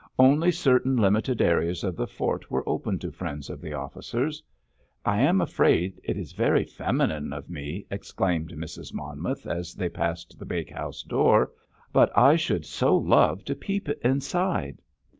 Only certain limited areas of the fort were open to friends of the officers. "I am afraid it is very feminine of me," exclaimed Mrs. Monmouth as they passed the bakehouse door, "but I should so love to peep inside."